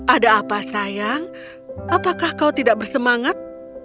ada apa sayang apakah kau tidak bersemangat